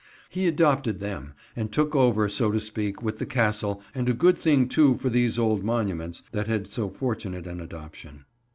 He adopted them, and took them over, so to speak, with the Castle; and a good thing too, for these old monuments, that they had so fortunate an adoption.